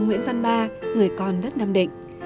nguyễn văn ba người con đất nam định